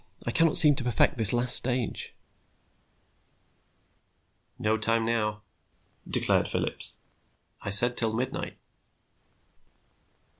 I cannot seem to perfect this last stage." "No time, now," declared Phillips. "I said till midnight."